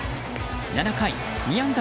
７回２安打